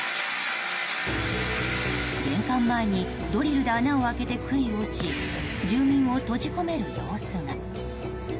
玄関前にドリルで穴を開けて杭を打ち住民を閉じ込める様子が。